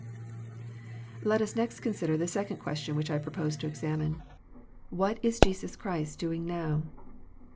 Let us next consider the second question which I propose to examine : What is Jesus Christ doing now